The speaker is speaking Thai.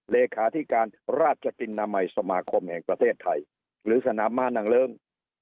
เลขาธิการราชตินามัยสมาคมแห่งประเทศไทยหรือสนามม้านางเลิ้ง